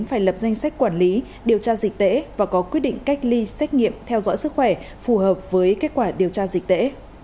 phải lập danh sách quản lý điều tra dịch tễ và có quyết định cách ly xét nghiệm theo dõi sức khỏe phù hợp với kết quả điều tra dịch tễ